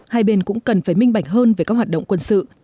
hai bên cũng cần phải minh bạch hơn về các hoạt động quân sự